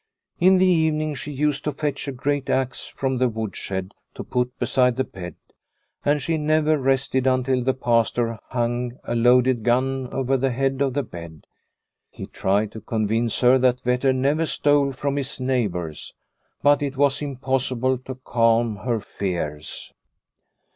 In the evening she used to fetch a great axe from the woodshed to put beside the bed, and she never rested until the Pastor hung a loaded gun over the head of the bed. He tried to convince her that Vetter never stole from his neighbours, but it was impossible to calm her fears.